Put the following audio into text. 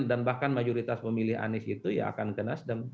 dan bahkan majoritas pemilih anies itu ya akan ke nasdem